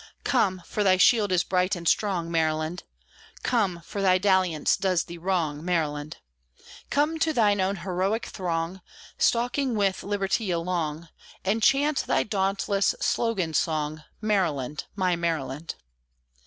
Come! for thy shield is bright and strong, Maryland! Come! for thy dalliance does thee wrong, Maryland! Come to thine own heroic throng Stalking with Liberty along, And chant thy dauntless slogan song, Maryland, my Maryland!